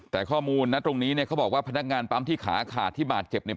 แต่ข้อมูลนะตรงนี้เนี่ยเขาบอกว่าพนักงานปั๊มที่ขาขาดที่บาดเจ็บเนี่ย